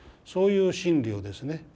そういう心理をですね